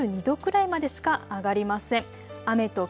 日中も２２度くらいまでしか上がりません。